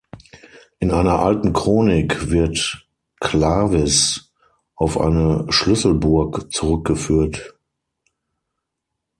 In einer alten Chronik wird „clavis“ auf eine „Schlüsselburg“ zurückgeführt.